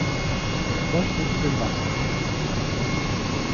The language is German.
Der Frosch sitzt im Wasser.